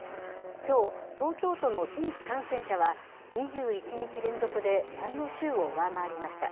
きょう、東京都の新規感染者は、２１日連続で前の週を上回りました。